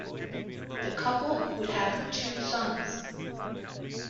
The couple would have two sons.